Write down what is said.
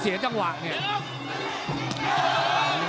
เสียจังหวะเนี่ย